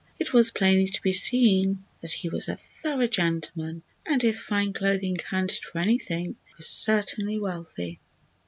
It was plainly to be seen that he was a thorough gentleman, and if fine clothing counted for anything he was certainly wealthy.